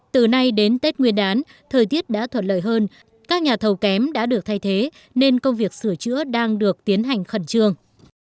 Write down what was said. từ nay đến tết nguyên đán thời tiết đã thuận lợi hơn các nhà thầu kém đã được thay thế nên công việc sửa chữa đang được tiến hành khẩn trương